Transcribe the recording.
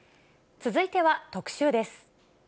続いては特集です。